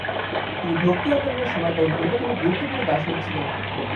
তিনি ভক্তি আন্দোলনের সময়কালীন অন্যতম গুরুত্বপূর্ণ দার্শনিক ছিলেন।